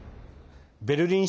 ベルリン